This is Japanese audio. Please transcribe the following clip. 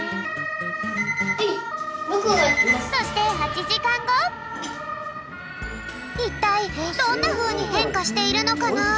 そしていったいどんなふうにへんかしているのかな？